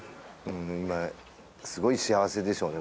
今すごい幸せでしょうね